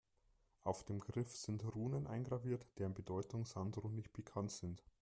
Auf dem Griff sind Runen eingraviert, deren Bedeutung Sandro nicht bekannt sind.